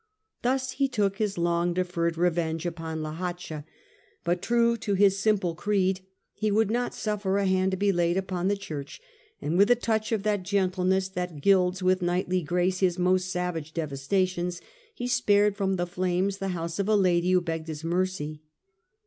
Thus he took his long deferred revenge upon La Hacha ; but, true to his simple creed, he would not suffer a hand to be laid upon the church, and with a touch of that gentleness that gilds with knightly grace his most savage devastations, he spared from the flames the house of a lady who begged his mercy.